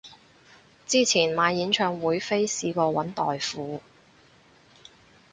之前買演唱會飛試過搵代付